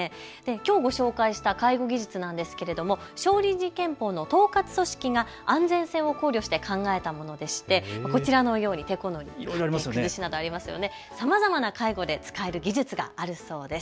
きょうご紹介した介護技術なんですけれども少林寺拳法の統括組織が安全性を考慮して考えたものでしてこちらのようにさまざまな技術があるそうです。